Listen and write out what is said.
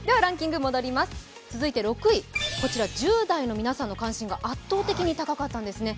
続いて６位１０代の皆さんの関心が圧倒的に高かったんですね。